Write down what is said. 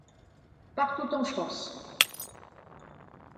Partout en France.